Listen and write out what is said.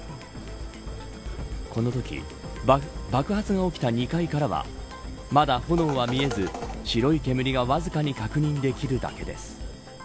このとき爆発が起きた２階からはまだ炎は見えず白い煙がわずかに確認できるだけです。